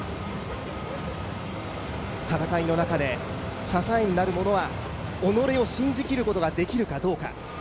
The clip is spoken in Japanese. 戦いの中で支えになるものは己を信じ切ることができるかどうか。